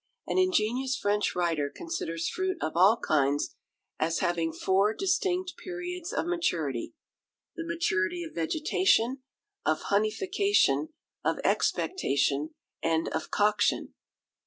An ingenious French writer considers fruit of all kinds as having four distinct periods of maturity the maturity of vegetation, of honeyfication, of expectation, and of coction.